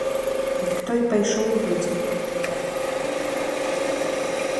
Дык той і пайшоў у людзі.